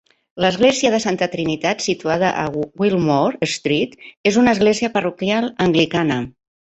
L'església de la Santa Trinitat, situada a Wilmore Street, és una església parroquial anglicana.